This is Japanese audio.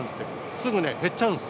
すぐね、減っちゃうんです。